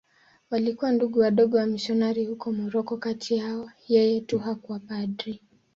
Walikuwa Ndugu Wadogo wamisionari huko Moroko.Kati yao yeye tu hakuwa padri.